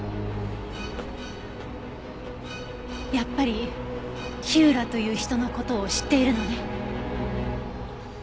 やっぱり火浦という人の事を知っているのね。